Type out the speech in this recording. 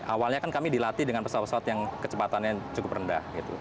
awalnya kan kami dilatih dengan pesawat pesawat yang kecepatannya cukup rendah